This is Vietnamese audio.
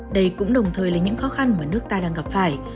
đây cũng đồng thời là những khó khăn mà nước ta đang gặp phải